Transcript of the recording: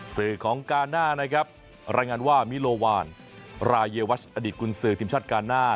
สื่อของกาน่านะครับรายงานว่ามิโลวานรายวัชอดีตกุญสือทีมชาติกาหน้า